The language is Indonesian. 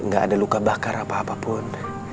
gak ada luka bakar apa apa pun